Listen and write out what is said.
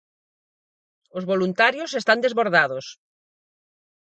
Os voluntarios están desbordados.